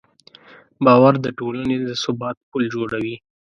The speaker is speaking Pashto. باور د ټولنې د ثبات پل جوړوي.